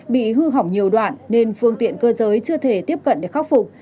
bị hư hỏng nhiều đoạn nên phương tiện cơ giới chưa thể tiếp cận để khắc phục